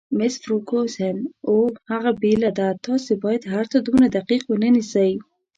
مس فرګوسن: اوه، هغه بېله ده، تاسي باید هرڅه دومره دقیق ونه نیسئ.